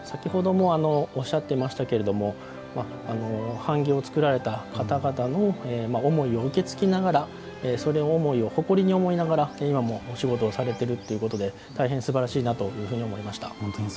版木を作られた方々の思いを受け継ぎながらそういう思いを誇りに思いながら今もお仕事をされているということで大変すばらしいなというふうに思いました。